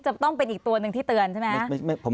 จะต้องเป็นอีกตัวหนึ่งที่เตือนใช่ไหมครับ